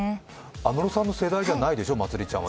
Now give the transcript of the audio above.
安室さんの世代じゃないでしょう、まつりちゃんは。